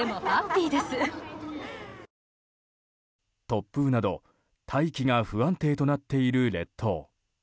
突風など大気が不安定となっている列島。